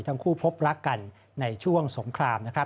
ทั้งคู่พบรักกันในช่วงสงครามนะครับ